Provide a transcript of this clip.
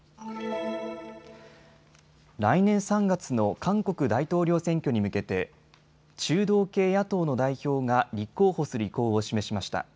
来年３月の韓国大統領選挙に向けて中道系野党の代表が立候補する意向を示しました。